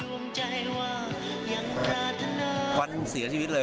ฟันเสียชีวิตเลย